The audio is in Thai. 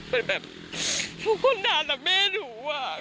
เป็นแบบทุกคนด่าละแม่หนู